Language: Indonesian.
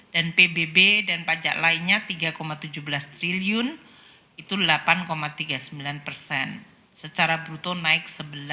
dan pbb dan pajak lainnya rp tiga tujuh belas triliun itu rp delapan tiga puluh sembilan secara bruto naik sebelas